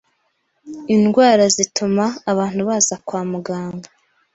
indwara zituma abantu baza kwa muganga